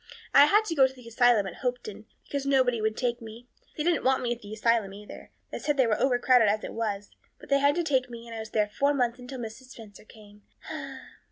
I had to go to the asylum at Hopeton, because nobody would take me. They didn't want me at the asylum, either; they said they were over crowded as it was. But they had to take me and I was there four months until Mrs. Spencer came."